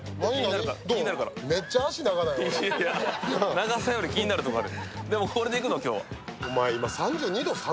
長さより気になるとこある。